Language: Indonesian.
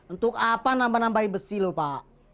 untuk apa nambah nambah besi loh pak